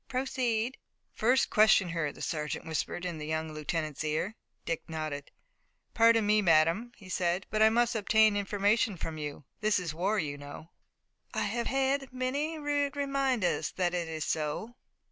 "Proceed." "First question her," the sergeant whispered in the young lieutenant's ear. Dick nodded. "Pardon me, madame," he said, "but I must obtain information from you. This is war, you know." "I have had many rude reminders that it is so."